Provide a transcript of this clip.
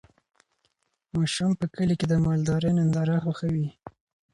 ماشومان په کلي کې د مالدارۍ ننداره خوښوي.